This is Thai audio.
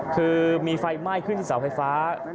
คือมีไฟไหม้ขึ้นที่เสาไฟฟ้า